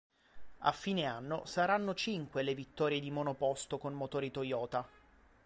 A fine anno saranno cinque le vittorie di monoposto con motori Toyota.